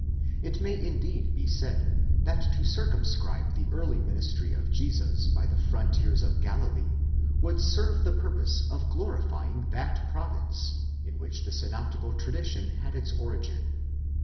It may indeed be said that to circum scribe the early ministry of Jesus by the frontiers of Galilee would serve the purpose of glorifying that province, in which the synoptical tradition had its. origin.